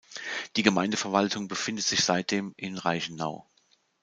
Die Gemeindeverwaltung befindet sich seitdem in Reichenau.